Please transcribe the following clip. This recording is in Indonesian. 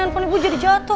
handphone nya jadi jatuh